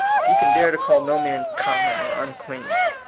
You can dare to call no man *^ common or un clean."